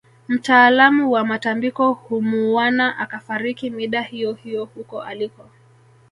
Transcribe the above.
Mtaalamu wa matambiko humuuwana akafariki mida hiyohiyo huko aliko